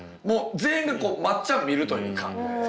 もう全員が松ちゃん見るというか。